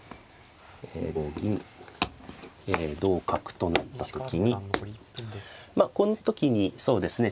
同銀同角となった時にまあこの時にそうですね